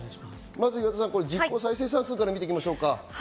まず実効再生産数から見ていきましょうか。